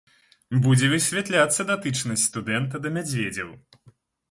Будзе высвятляцца датычнасць студэнта да мядзведзяў.